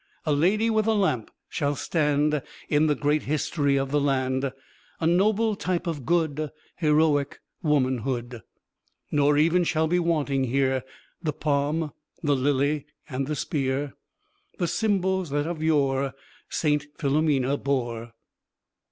A Lady with a Lamp shall stand In the great history of the land, A noble type of good, Heroic womanhood. Nor even shall be wanting here The palm, the lily, and the spear, The symbols that of yore Saint Filomena bore.